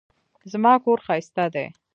زما کور ښايسته دی